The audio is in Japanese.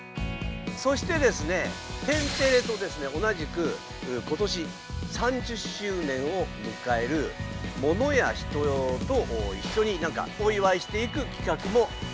そしてですね天てれとですね同じく今年３０周年をむかえるものや人といっしょにお祝いしていくきかくもあるんですよね。